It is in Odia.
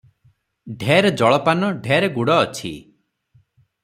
ଢେର ଜଳପାନ, ଢେର ଗୁଡ଼ ଅଛି